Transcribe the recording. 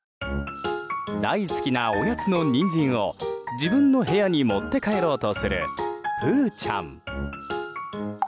大好きなおやつのニンジンを自分の部屋に持って帰ろうとするぷーちゃん。